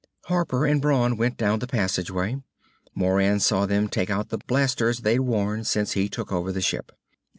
Harper and Brawn went down the passageway. Moran saw them take out the blasters they'd worn since he took over the ship.